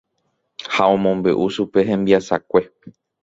Ha omombe'u chupe hembiasakue.